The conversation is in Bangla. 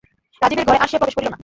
রাজীবের ঘরে আর সে প্রবেশ করিল না।